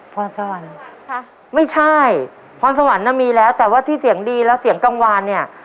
ความสะวันค่ะไม่ใช่ความสะวันน่ะมีแล้วแต่ว่าที่เสียงดีแล้วเสียงกังวลเนี่ย